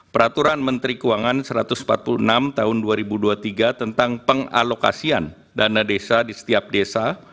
peraturan menteri keuangan satu ratus empat puluh enam tahun dua ribu dua puluh tiga tentang pengalokasian dana desa di setiap desa